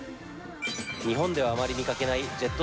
日本であまり見かけないジェット